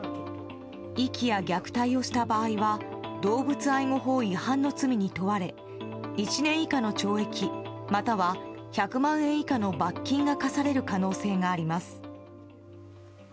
遺棄や虐待をした場合は動物愛護法違反の罪に問われ１年以下の懲役または１００万円以下の罰金が科される可能性があります。